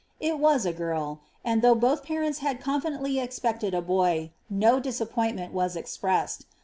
It was a girl ; and, though both parents had confidently expected a boy, no disappointment was expressed.